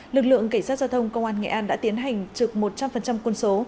lực lượng cảnh sát giao thông công an nghệ an đã tiến hành trực một trăm linh quân số